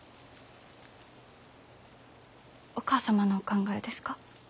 お義母様のお考えですか？